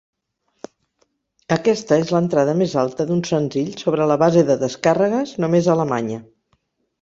Aquesta és l'entrada més alta d'un senzill sobre la base de descàrregues només a Alemanya.